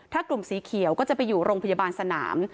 ถ้ากลุ่มสีเขียวก็จะไปอยู่โรงพยาบาลสนาม